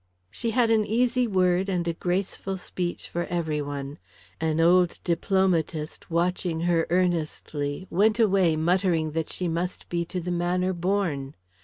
She had an easy word and a graceful speech for every one. An old diplomatist, watching her earnestly, went away muttering that she must be to the manner born.